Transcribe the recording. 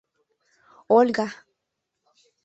— Ольга!